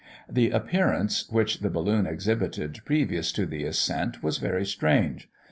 The appearance which the balloon exhibited previous to the ascent was very strange.